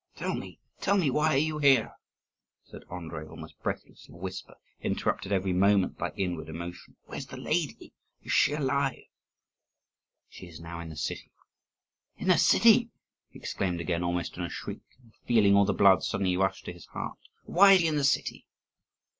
"Tell me, tell me, why are you here?" said Andrii almost breathlessly, in a whisper, interrupted every moment by inward emotion. "Where is the lady? is she alive?" "She is now in the city." "In the city!" he exclaimed, again almost in a shriek, and feeling all the blood suddenly rush to his heart. "Why is she in the city?"